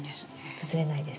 崩れないです。